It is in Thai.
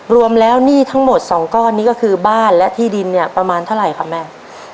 รวมแล้วหนี้ทั้งหมด๒ก้อนนี้ก็คือบ้านและที่ดินเนี่ยประมาณเท่าไหร่ครับแม่